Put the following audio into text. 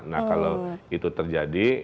nah kalau itu terjadi